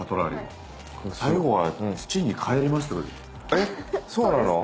えっそうなの⁉